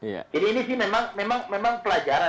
jadi ini memang pelajaran